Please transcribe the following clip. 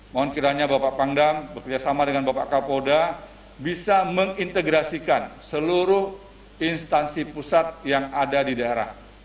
mohon kiranya bapak pangdam bekerjasama dengan bapak kapolda bisa mengintegrasikan seluruh instansi pusat yang ada di daerah